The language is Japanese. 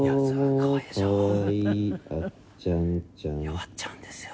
弱っちゃうんですよ。